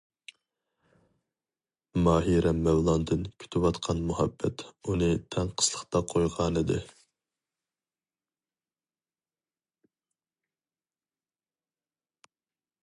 ماھىرە مەۋلاندىن كۈتۈۋاتقان مۇھەببەت ئۇنى تەڭ قىسلىقتا قويغانىدى.